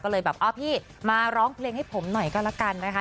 ก็เลยแบบอ้าวพี่มาร้องเพลงให้ผมหน่อยก็แล้วกันนะคะ